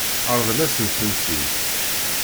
Ṛḍel-asent-tent-id.